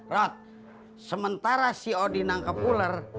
rot sementara si odi nangkep ular